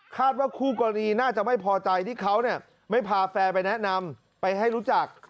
ว่าคู่กรณีน่าจะไม่พอใจที่เขาไม่พาแฟนไปแนะนำไปให้รู้จัก